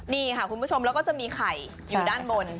นี่ค่ะคุณผู้ชมแล้วก็จะมีไข่อยู่ด้านบน